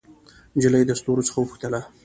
نجلۍ د ستورو څخه وپوښتله